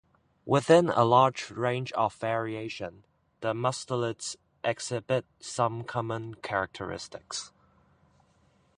Within a large range of variation, the mustelids exhibit some common characteristics.